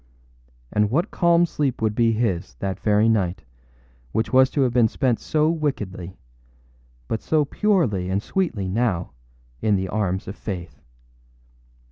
And what calm sleep would be his that very night, which was to have been spent so wickedly, but so purely and sweetly now, in the arms of Faith!